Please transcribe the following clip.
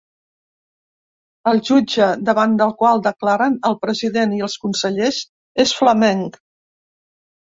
El jutge davant el qual declaren el president i els consellers és flamenc.